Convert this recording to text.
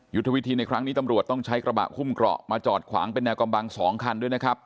วิธีในครั้งนี้ตำรวจต้องใช้กระบะคุ่มเกราะมาจอดขวางเป็นแนวกำบัง๒คันด้วยนะครับ